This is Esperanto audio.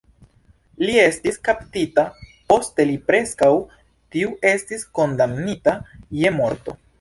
Li estis kaptita, poste li preskaŭ tuj estis kondamnita je morto.